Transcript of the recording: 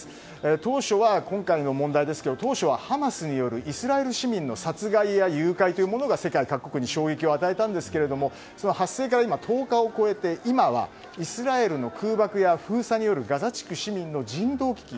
当初は今回の問題ですけどハマスによるイスラエル市民の殺害や誘拐というものが世界各国に衝撃を与えたんですが発生から１０日を超えて今はイスラエルの空爆や封鎖によるガザ地区市民の人道危機